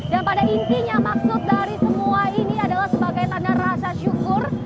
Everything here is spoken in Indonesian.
dan pada intinya maksud dari semua ini adalah sebagai tanda rasa syukur